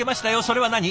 それは何？